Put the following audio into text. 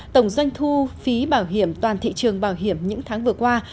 tổng doanh thu phí bảo hiểm toàn thị trường bảo hiểm những tháng vừa qua